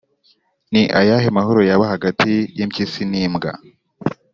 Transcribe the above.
Ni ayahe mahoro yaba hagati y’impyisi n’imbwa?